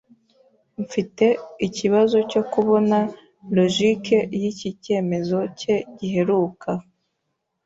Mfite ikibazo cyo kubona logique yiki cyemezo cye giheruka.